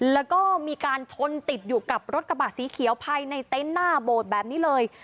แล้วก็มีการชนติดอยู่กับรถกระบะสีเขียวภายในเต็นต์หน้าโบสถ์แบบนี้เลย